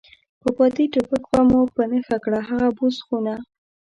په بادي ټوپک به مو په نښه کړه، هغه بوس خونه.